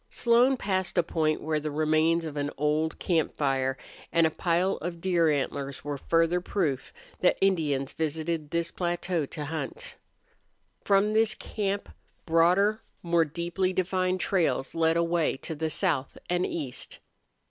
Slone passed a point where the remains of an old camp fire and a pile of deer antlers were further proof that Indians visited this plateau to hunt. From this camp broader, more deeply defined trails led away to the south and east.